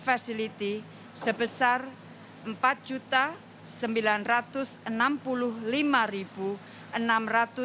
indonesia telah menerima vaksin astrazeneca dari covax facility